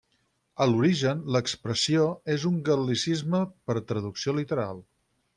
A l'origen l'expressió és un gal·licisme, per traducció literal.